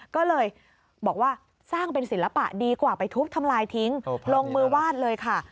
ก็เลยบอกว่าสร้างเป็นศิลปะดีกว่าไปทุบทำลายทิ้งลงมือวาดเลยค่ะ